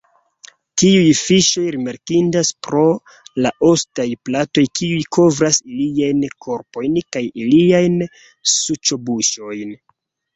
Tiuj fiŝoj rimarkindas pro la ostaj platoj kiuj kovras iliajn korpojn kaj iliajn suĉobuŝojn.